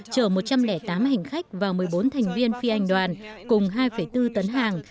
chở một trăm linh tám hành khách và một mươi bốn thành viên phi hành đoàn cùng hai bốn tấn hàng